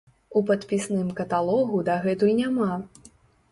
У падпісным каталогу дагэтуль няма.